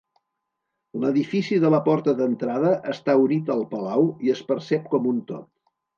L'edifici de la porta d'entrada està unit al palau i es percep com un tot.